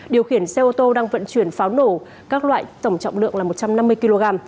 điều khiển xe ô tô đang vận chuyển pháo nổ các loại tổng trọng lượng là một trăm năm mươi kg